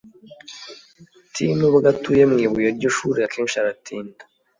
t] [t] nubwo atuye mu ibuye ry'ishuri, akenshi aratinda